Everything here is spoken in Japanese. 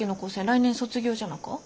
来年卒業じゃなか？